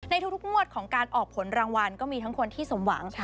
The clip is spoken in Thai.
ในทุกงวดของการออกผลรางวัลก็มีทั้งคนที่สมหวัง